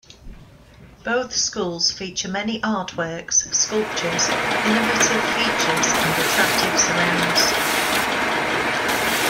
Both schools feature many artworks, sculptures, innovative features and attractive surrounds.